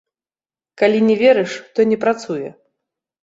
Калі не верыш, то не працуе.